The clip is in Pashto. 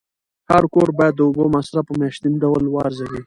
هر کور باید د اوبو مصرف په میاشتني ډول وارزوي.